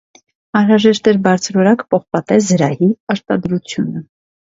Անհրաժեշտ էր բարձրորակ պողպատե զրահի արտադրությունը։